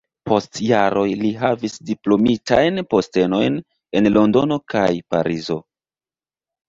Post jaroj li havis diplomatiajn postenojn en Londono kaj Parizo.